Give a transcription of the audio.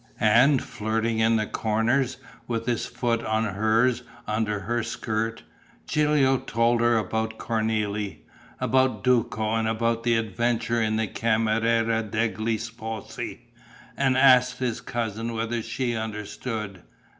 And, flirting in the corners, with his foot on hers under her skirt, Gilio told her about Cornélie, about Duco and about the adventure in the camera degli sposi and asked his cousin whether she understood.